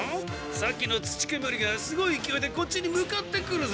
さっきの土けむりがすごいいきおいでこっちに向かってくるぞ。